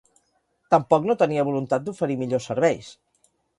Tampoc no tenia voluntat d’oferir millors serveis.